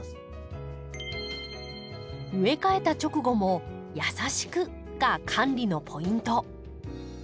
植え替えた直後も「優しく！」が管理のポイント。